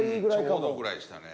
ちょうどぐらいでしたね。